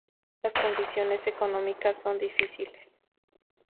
Las condiciones económicas son difíciles.